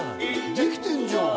できてんじゃん！